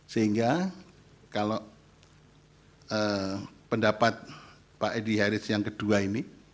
sehingga kalau pendapat pak edi hairiz yang kedua ini